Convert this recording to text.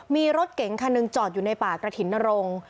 มีรถเก๋งคันหนึ่งจอดอยู่ในป่ากระถิ่นนรงค์